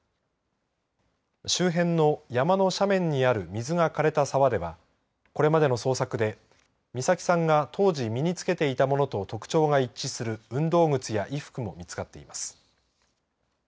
周辺の山の斜面にある水がかれた沢ではこれまでの捜索で美咲さんが当時身につけていたものと特徴が一致する運動靴や衣服も見つかっています。